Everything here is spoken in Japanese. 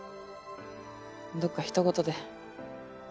どっかひと事で。